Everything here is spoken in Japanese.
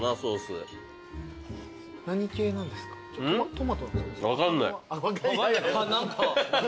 トマトなんですか？